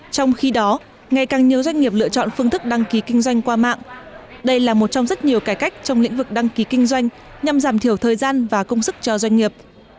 trong khi đó ngày càng nhiều doanh nghiệp lựa chọn phương thức đăng ký kinh doanh qua mạng đây là một trong rất nhiều cải cách trong lĩnh vực đăng ký kinh doanh nhằm giảm thiểu thời gian và công sức cho doanh nghiệp